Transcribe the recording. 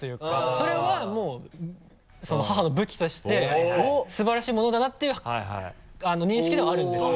それはもう母の武器として素晴らしいものだなっていう認識ではあるんですよ。